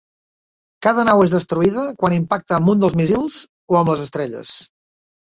Cada nau és destruïda quan impacta amb un dels míssils o amb les estrelles.